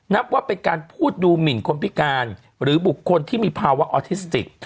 นับว่าเป็นการพูดดูหมินคนพิการหรือบุคคลที่มีภาวะออทิสติก